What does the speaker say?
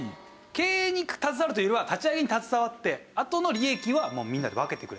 経営に携わるというよりは立ち上げに携わってあとの利益はもうみんなで分けてくれ。